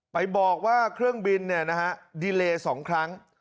ไปบอกว่าเครื่องบินเนี่ยนะฮะดีเลยสองครั้ง